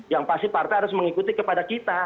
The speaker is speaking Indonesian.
yang pasti partai harus mengikuti kepada kita